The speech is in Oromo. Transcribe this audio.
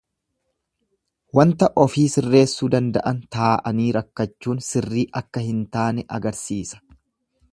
Wanta ofii sireessuu danda'an taa'anii rakkachuun sirrii akka hin taane agarsiisa.